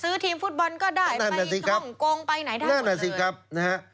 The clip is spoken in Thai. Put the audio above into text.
ซื้อทีมฟุตบอลก็ได้ไปห้องโกงไปไหนทั้งหมดเลยนั่นอ่ะสิครับนะฮะ